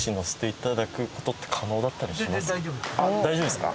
大丈夫ですか？